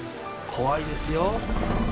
怖いですよ。